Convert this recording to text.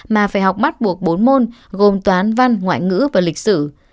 mà phải học bắt buộc bốn môn gồm toán văn ngoại ngữ và lịch sử